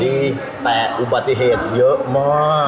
มีแต่อุบัติเหตุเยอะมาก